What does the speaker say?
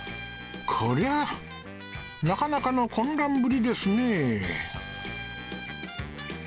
こりゃあなかなかの混乱ぶりですね